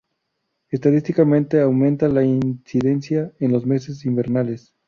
Estadísticamente aumenta la incidencia en los meses invernales.